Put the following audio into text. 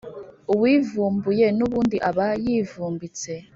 Uwivumbuye n’ubundi aba yivumbitse.